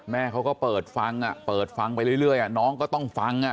แม่เขาก็เปิดฟังเปิดฟังไปเรื่อยน้องก็ต้องฟัง